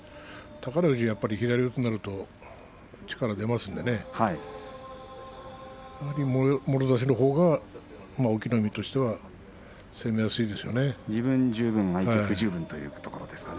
宝富士、左四つになると力が出ますのでもろ差しのほうが隠岐の海としては攻めやすいでしょうね。